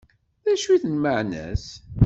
D acu d lmeεna-s?